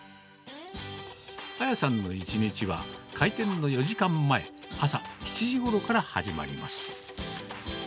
あやさんの一日は開店の４時間前、朝７時ごろから始まります。